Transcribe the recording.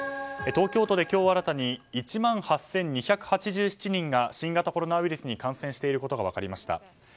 東京都で今日新たに１万８２８７人が新型コロナウイルスに感染していることが分かりました。